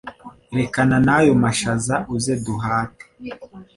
rekana nayo mashaza uze duhate